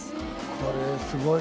これはすごい。